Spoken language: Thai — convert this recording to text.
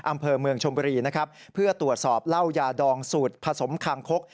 อำเภอเมืองชมบุรีนะครับเพื่อตรวจสอบเหล้ายาดองสูตรผสมคางคก